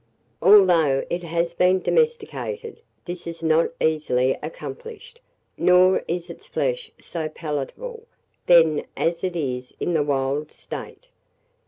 Although it has been domesticated, this is not easily accomplished, nor is its flesh so palatable then as it is in the wild state.